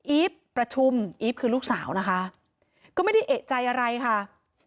ีฟประชุมอีฟคือลูกสาวนะคะก็ไม่ได้เอกใจอะไรค่ะ